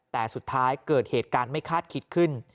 แต่สุดท้ายเกิดเหตุการณ์ไม่คาดคิดขึ้น